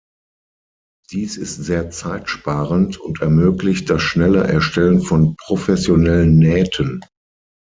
Dies ist sehr zeitsparend und ermöglicht das schnelle Erstellen von professionellen Nähten.